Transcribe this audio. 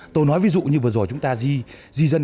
tôi nói ví dụ như vừa rồi chúng ta di di dân